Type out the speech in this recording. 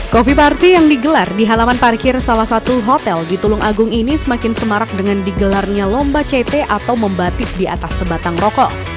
coffee party yang digelar di halaman parkir salah satu hotel di tulung agung ini semakin semarak dengan digelarnya lomba ct atau membatik di atas sebatang rokok